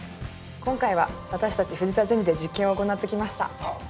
今回は私たち藤田ゼミで実験を行ってきました。